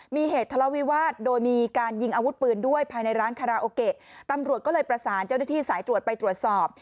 มีเหตุทะเลาวิวาสโดยมีการยิงอาวุธปืนด้วยภายในร้านคาราโอเกะตำรวจก็เลยประสานเจ้าหน้าที่สายตรวจไปตรวจสอบ